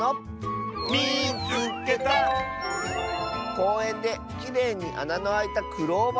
「こうえんできれいにあなのあいたクローバーをみつけた！」。